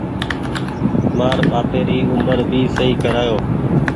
مآر ٻآپي ري اومر ڀي سئي ڪرايو۔